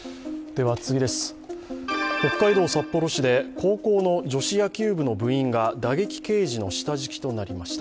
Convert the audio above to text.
北海道札幌市で高校の女子野球部の部員が打撃ケージの下敷きとなりました。